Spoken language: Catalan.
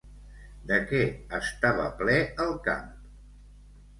De què estava ple el camp?